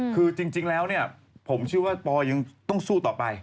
คือจริงแล้วเนี่ยผมเชื่อว่าปอยังต้องสู้ต่อไป